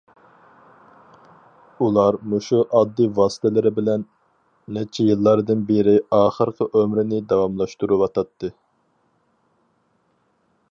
ئۇلار مۇشۇ ئاددىي ۋاسىتىلىرى بىلەن نەچچە يىللاردىن بېرى ئاخىرقى ئۆمرىنى داۋاملاشتۇرۇۋاتاتتى.